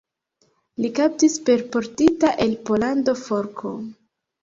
Li kaptis per portita el Pollando forko.